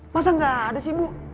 masa gak ada sih ibu